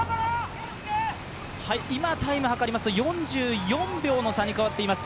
今、タイム計りますと４４秒の差に変わっています。